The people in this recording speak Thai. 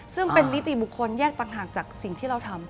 ซึ่งเป็นนิติบุคคลแยกต่างหากจากสิ่งที่เราทำ